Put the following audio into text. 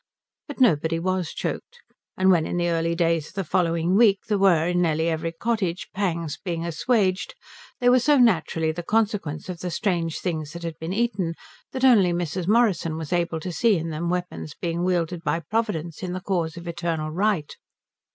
But nobody was choked; and when in the early days of the following week there were in nearly every cottage pangs being assuaged, they were so naturally the consequence of the strange things that had been eaten that only Mrs. Morrison was able to see in them weapons being wielded by Providence in the cause of eternal right.